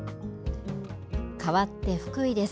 変わって福井です。